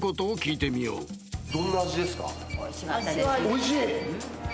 おいしい？